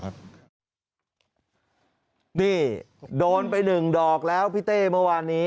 นี่โดนไปหนึ่งดอกแล้วพี่เต้มาวานนี้